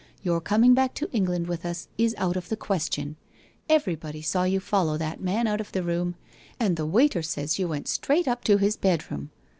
Your coming back to England with us is out of the question. Everybody saw you follow that man out of the room, and the waiter says you went straight up to his bedroom.